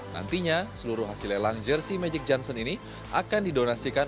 nantinya seluruh hasil lelang jersey magic johnson ini akan didonasikan